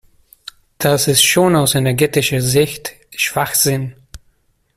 Das ist schon aus energetischer Sicht Schwachsinn.